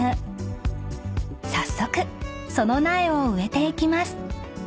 ［早速その苗を植えていきます］